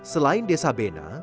selain desa bena